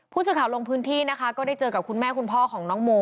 ผู้สื่อข่าวลงพื้นที่นะคะก็ได้เจอกับคุณแม่คุณพ่อของน้องโม